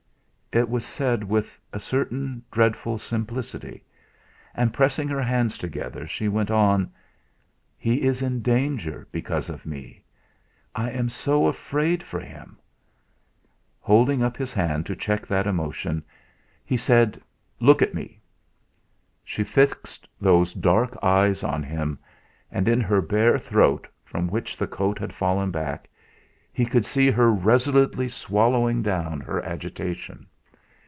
It was said with a certain dreadful simplicity, and pressing her hands together, she went on: "He is in danger, because of me. I am so afraid for him." Holding up his hand to check that emotion, he said: "Look at me!" She fixed those dark eyes on him, and in her bare throat, from which the coat had fallen back, he could see her resolutely swallowing down her agitation.